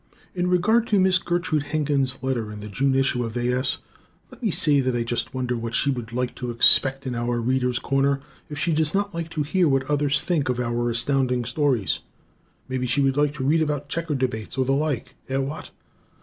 In regard to Miss Gertrude Hemkin's letter in the June issue of A. S., let me say that I just wonder what she would like to expect in our "The Readers' Corner" if she does not like to hear what others think of our Astounding Stories. Maybe she would like to read about checker debates or the like. Eh, what?